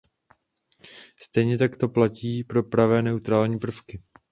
Stejně tak to platí pro pravé neutrální prvky.